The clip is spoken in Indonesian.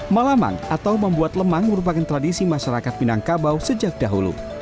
malamang atau membuat lemang merupakan tradisi masyarakat minangkabau sejak dahulu